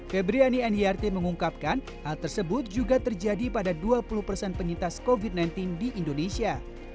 febriani nrt mengungkapkan hal tersebut juga terjadi pada dua puluh persen penyintas covid sembilan belas di indonesia